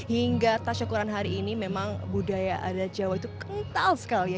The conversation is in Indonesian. hingga tasyukuran hari ini memang budaya adat jawa itu kental sekali ya